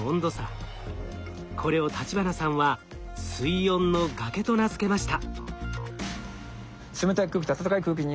これを立花さんは「水温の崖」と名付けました。